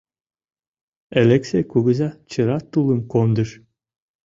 Элексей кугыза чыра тулым кондыш.